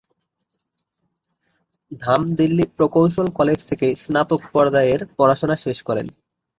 ধাম দিল্লি প্রকৌশল কলেজ থেকে স্নাতক পর্যায়ের পড়াশোনা শেষ করেন।